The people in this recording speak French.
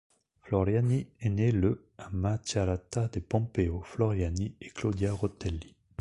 Floriani est né le à Macerata de Pompeo Floriani et Claudia Rotelli.